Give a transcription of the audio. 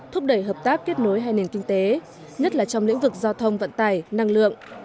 thúc đẩy hợp tác kết nối hai nền kinh tế nhất là trong lĩnh vực giao thông vận tài năng lượng